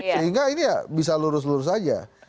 sehingga ini ya bisa lurus lurus saja